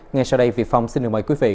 ngay sau đây vị phong xin được mời quý vị